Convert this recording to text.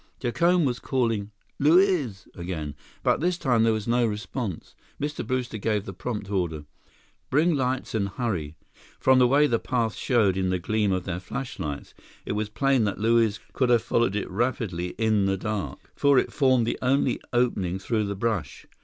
Jacome was calling "Luiz!" again, but this time there was no response. Mr. Brewster gave the prompt order: "Bring lights and hurry!" From the way the path showed in the gleam of their flashlights, it was plain that Luiz could have followed it rapidly in the dark, for it formed the only opening through the brush.